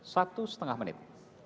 satu setengah menit